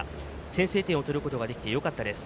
先制点を取ることができてよかったです。